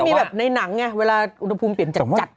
มีแบบในหนังไงเวลาอุณหภูมิเปลี่ยนจัด